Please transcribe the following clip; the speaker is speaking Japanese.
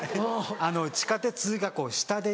地下鉄が下で。